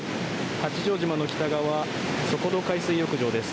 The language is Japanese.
八丈島の北側そこど海水浴場です。